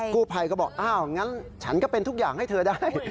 กู้ภัยก็บอกอ้าวงั้นฉันก็เป็นทุกอย่างให้เธอได้